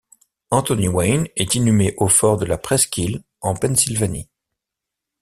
Anthony Wayne est inhumé au fort de la Presqu'île en Pennsylvanie.